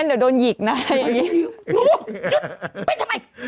โหหยุดไปทำไม